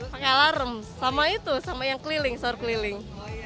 pakai alarm sama itu sama yang keliling sahur keliling